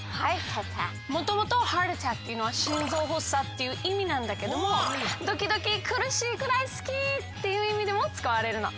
もともと「ｈｅａｒｔａｔｔａｃｋ」っていうのは心臓発作っていういみなんだけどもドキドキ苦しいくらい好き！っていういみでもつかわれるの。